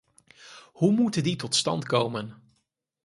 Hoe moeten die tot stand komen?